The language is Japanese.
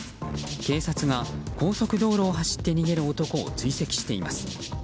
警察が高速道路を走って逃げる男を追跡しています。